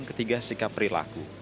ketiga sikap perilaku